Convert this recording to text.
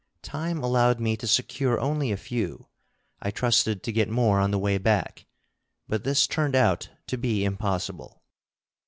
Time allowed me to secure only a few; I trusted to get more on the way back, but this turned out to be impossible.